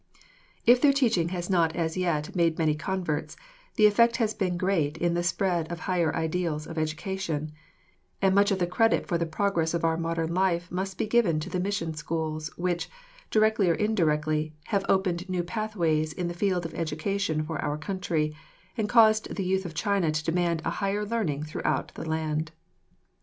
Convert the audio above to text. If their teaching has not as yet made many converts, the effect has been great in the spread of higher ideals of education, and much of the credit for the progress of our modern life must be given to the mission schools, which, directly or indirectly, have opened new pathways in the field of education for our country, and caused the youth of China to demand a higher learning throughout the land.